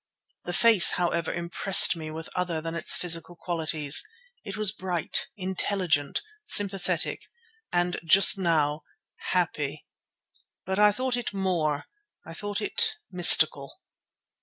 The face, however, impressed me with other than its physical qualities. It was bright, intelligent, sympathetic and, just now, happy. But I thought it more, I thought it mystical.